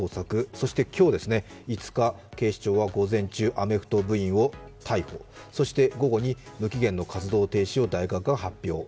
そして今日、５日午前中、アメフト部員を逮捕、そして午後に無期限の活動中止を大学側が発表。